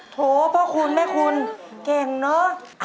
โถพ่อคุณแม่คุณเก่งเนอะ